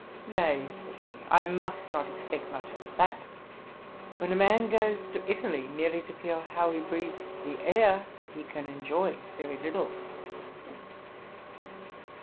'Nay, (said he,) I must not expect much of that; when a man goes to Italy merely to feel how he breathes the air, he can enjoy very little.'